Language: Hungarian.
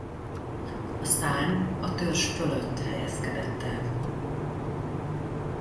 A szárny a törzs fölött helyezkedett el.